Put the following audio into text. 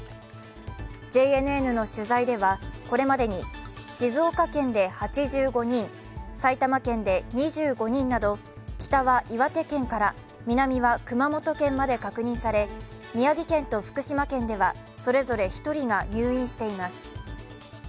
ＪＮＮの取材ではこれまでに静岡県で８５人、埼玉県で２５人など、北は岩手県から南は熊本県まで確認され、宮城県と福島県ではそれぞれ１人が入院しています。